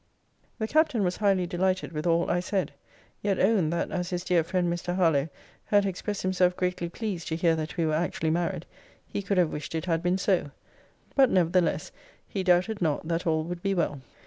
The Captain was highly delighted with all I said: Yet owned, that as his dear friend Mr. Harlowe had expressed himself greatly pleased to hear that we were actually married, he could have wished it had been so. But, nevertheless, he doubted not that all would be well.